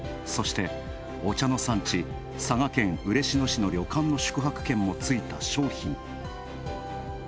そして、お茶の産地、佐賀県嬉野市の旅館の宿泊券もついた商品。